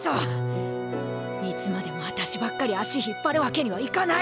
心の声いつまでも私ばっかり足引っ張るわけにはいかない。